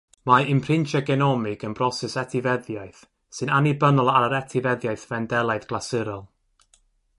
Mae imprintio genomig yn broses etifeddiaeth sy'n annibynnol ar yr etifeddiaeth Fendelaidd glasurol.